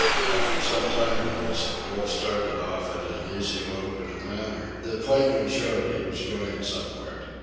After some time of this the wolf started off at an easy lope in a manner that plainly showed he was going somewhere.